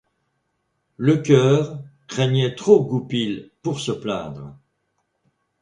Lecœur craignait trop Goupil pour se plaindre.